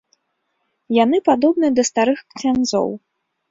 Яны падобны да старых ксяндзоў.